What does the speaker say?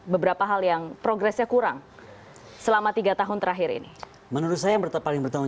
beberapa hal yang progresnya kurang selama tiga tahun terakhir ini menurut saya paling bertanggung